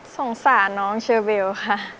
สงสารน้องเชอเบลค่ะ